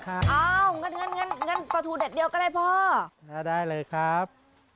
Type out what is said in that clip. อย่างนั้นปลาทูแดดเดียวก็ได้พ่อได้เลยครับ